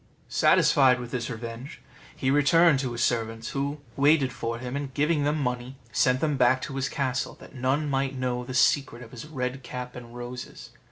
Satisfied with this revenge, he returned to his servants, who waited for him, and giving them money, sent them back to his castle, that none might know the secret of his red cap and roses.